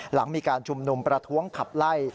หลังมีการชุมนุมประท้วงขับไล่